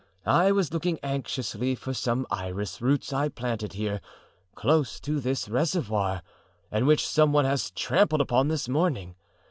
I was looking anxiously for some iris roots I planted here, close to this reservoir, and which some one has trampled upon this morning.